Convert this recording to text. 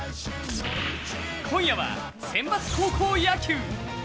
今夜は選抜高校野球。